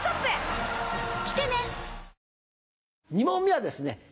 ２問目はですね